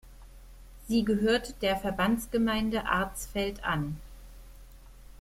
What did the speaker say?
Sie gehört der Verbandsgemeinde Arzfeld an.